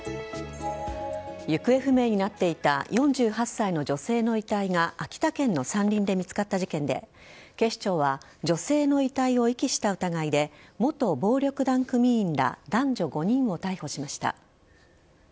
行方不明になっていた４８歳の女性の遺体が秋田県の山林で見つかった事件で警視庁は女性の遺体を遺棄した疑いで元暴力団組員ら男女５人を逮捕しました。